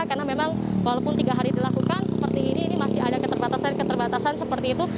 karena memang walaupun tiga hari dilakukan seperti ini ini masih ada keterbatasan keterbatasan seperti itu